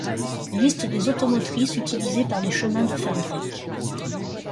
Liste des automotrices utilisées par les chemins de fer grecs.